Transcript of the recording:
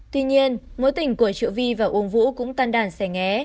tuy nhiên mối tình của triệu vi và uông vũ cũng tan đàn xe ngé